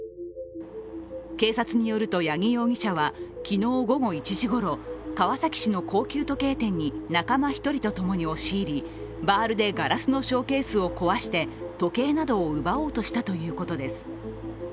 警察によると八木容疑者は昨日午後１時ごろ川崎市の高級時計店に仲間１人とともに押し入りバールでガラスのショーケースを壊して時計などを奪おうとしたということです。